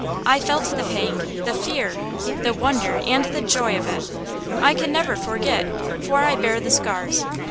I felt the pang, the fear, the wonder, and the joy of it. I can never forget, for I bear the scars.